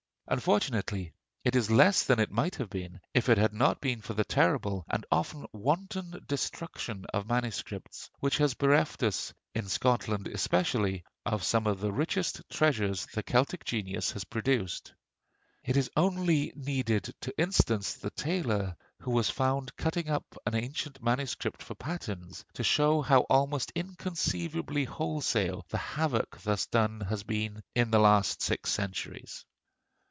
Unfortunately, it is less than it might have been, if it had not been for the terrible and often wanton destruction of MSS. which has bereft us, in Scotland especially, of some of the richest treasures the Celtic genius has produced. It is only needed to instance the tailor who was found cutting up an ancient MS. for patterns, to show how almost inconceivably wholesale the havoc thus done has been in the last six centuries.